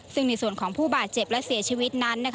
ซึ่งในส่วนของผู้บาดเจ็บและเสียชีวิตนั้น